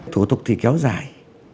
thủ tục thì kéo dài